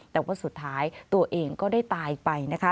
แต่ว่าสุดท้ายตัวเองก็ได้ตายไปนะคะ